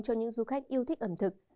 cho những du khách yêu thích ẩm thực